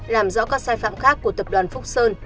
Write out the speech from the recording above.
làm rõ các sai phạm khác của tập đoàn phúc sơn